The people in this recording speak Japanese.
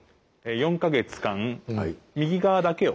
４か月間右側だけを。